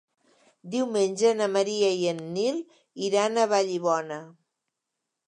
Diumenge na Maria i en Nil iran a Vallibona.